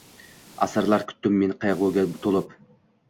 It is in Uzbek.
Asrlar kutdim men qayg’uga to’lib